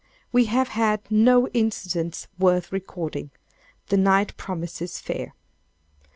We have had no incidents worth recording. The night promises fair.